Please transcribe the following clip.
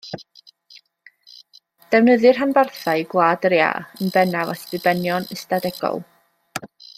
Defnyddir rhanbarthau Gwlad yr Iâ yn bennaf at ddibenion ystadegol.